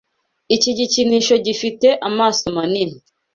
Iki gikinisho gifite amaso manini.